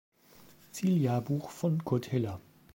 Ziel-Jahrbuch von Kurt Hiller.